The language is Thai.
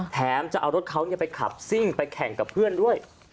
แถมจะเอารถเขาไปขับซิ่งไปแข่งกับเพื่อนด้วย